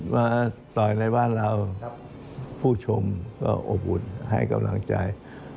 มาต่อยในบ้านเราผู้ชมก็อบอุ่นให้กำลังใจ